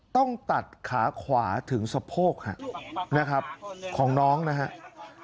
ต้องตัดขาขวาถึงสะโพกนะครับของน้องนะครับ